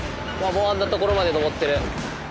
もうあんなところまで登ってる。